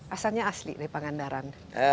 asalnya asli dari pangandaran